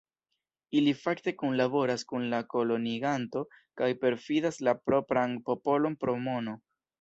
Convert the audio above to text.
Ili fakte kunlaboras kun la koloniiganto kaj perfidas la propran popolon pro mono.